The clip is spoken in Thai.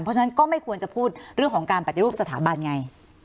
เพราะฉะนั้นก็ไม่ควรจะพูดเรื่องของการปฏิรูปสถาบันไง